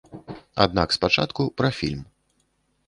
Аднак спачатку пра фільм.